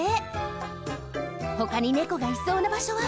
ほかに猫がいそうな場所は？